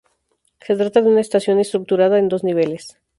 Se trata de una estación estructurada en dos niveles.